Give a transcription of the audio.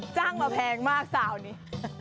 จ้างมาแพงมากสาวนี้